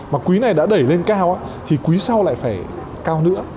mà quý này đã đẩy lên cao thì quý sau lại phải cao nữa